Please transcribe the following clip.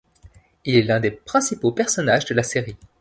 Il est l'un des principaux personnages de la série.